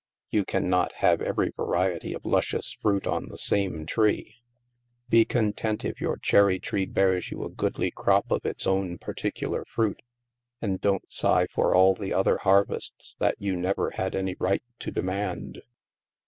You cannot have every variety of luscious fruit on the same tree. THE MAELSTROM 219 Be content if your cherry tree bears you a goodly crop of its own particular fruit, and don't sigh for all the other harvests that you never had any right to demand.